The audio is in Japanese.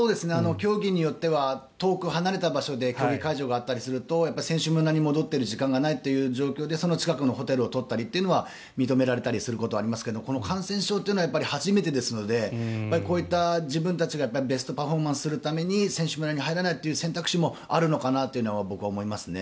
競技によっては遠く離れた場所で競技会場があったりすると選手村に戻っている時間がないとかでその近くのホテルを取ったりということは認められたりすることはありますがこの感染症というのは初めてですのでこういった自分たちがベストパフォーマンスするために選手村に入らないという選択肢もあるのかなというのは僕は思いますね。